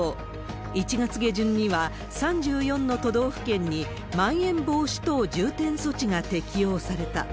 １月下旬には、３４の都道府県にまん延防止等重点措置が適用された。